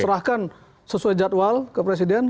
serahkan sesuai jadwal ke presiden